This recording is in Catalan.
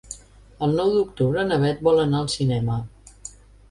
El nou d'octubre na Beth vol anar al cinema.